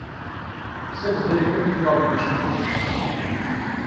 Секс далеко не главное, что есть в жизни.